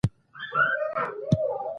شراب د یخو ټوټو په منځ کې یخ شوي ول.